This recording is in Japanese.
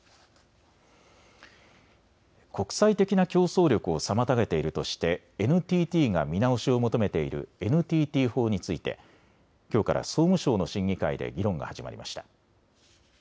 国際的な競争力を妨げているとしてＮＴＴが見直しを求めているＮＴＴ法についてきょうから総務省の審議会で議論が始まりました。